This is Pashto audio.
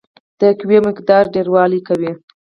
د قوې مقدار ډیروالی کوي.